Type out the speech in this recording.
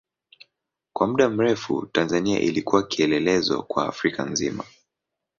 Kwa muda mrefu Tanzania ilikuwa kielelezo kwa Afrika nzima.